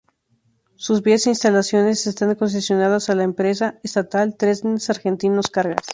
Sus vías e instalaciones están concesionadas a la empresa estatal Trenes Argentinos Cargas.